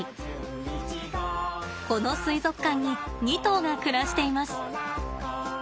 この水族館に２頭が暮らしています。